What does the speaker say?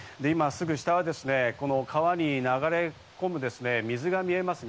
今すぐ下は川に流れ込む水が見えます。